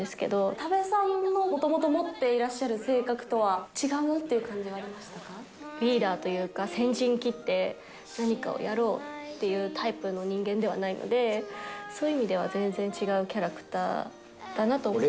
多部さんのもともと持っていらっしゃる性格とは違うって感じリーダーというか、先陣切って何かをやろうっていうタイプの人間ではないので、そういう意味では全然違うキャラクターだなと思って。